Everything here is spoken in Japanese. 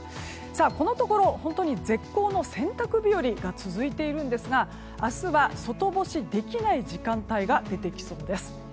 このところ、本当に絶好の洗濯日和が続いているんですが明日は外干しできない時間帯が出てきそうです。